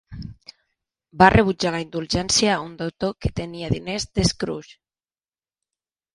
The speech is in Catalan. Va rebutjar la indulgència a un deutor que tenia diners de Scrooge.